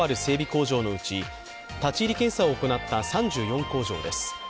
工場のうち立ち入り検査を行った３４工場です。